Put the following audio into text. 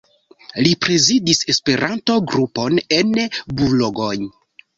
Li prezidis Esperanto-grupon en Boulogne.